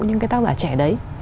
những cái tác giả trẻ đấy